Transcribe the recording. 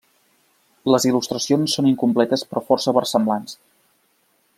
Les il·lustracions són incompletes però força versemblants.